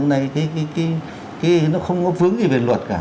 nó không có vướng gì về luật cả